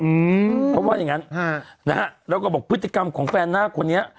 อืมเขาว่าอย่างงั้นฮะนะฮะแล้วก็บอกพฤติกรรมของแฟนหน้าคนนี้